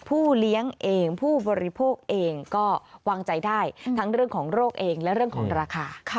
เลี้ยงเองผู้บริโภคเองก็วางใจได้ทั้งเรื่องของโรคเองและเรื่องของราคา